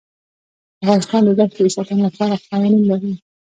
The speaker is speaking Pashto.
افغانستان د دښتې د ساتنې لپاره قوانین لري.